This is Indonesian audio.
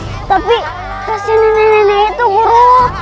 tapi kasian nenek nenek itu guru